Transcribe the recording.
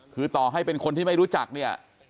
คือต่อให้เป็นคนที่ไม่รู้จักเนี่ย